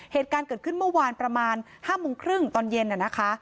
เหตุการณ์เกิดขึ้นเมื่อวานประมาณ๕โมงครึ่งตอนเย็นนะคะ